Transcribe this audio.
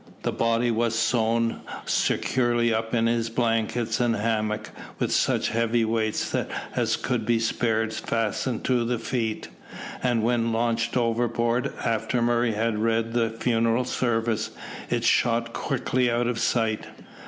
The body was sewn securely up in his blankets and hammock, with such heavy weights as could be spared fastened to the feet; and when launched overboard, after Murray had read the funeral service, it shot quickly out of sight.